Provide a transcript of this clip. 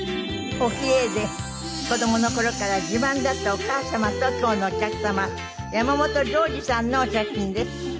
おキレイで子どもの頃から自慢だったお母様と今日のお客様山本譲二さんのお写真です。